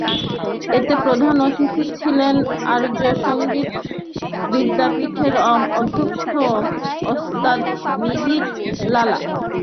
এতে প্রধান অতিথি ছিলেন আর্য সংগীত বিদ্যাপীঠের অধ্যক্ষ ওস্তাদ মিহির লালা।